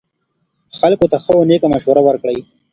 خلکو ته ښه او نیکه مشوره ورکړئ.